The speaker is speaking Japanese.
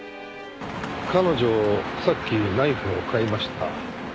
彼女さっきナイフを買いました。